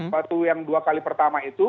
waktu yang dua kali pertama itu